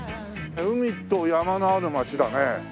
海と山のある町だね。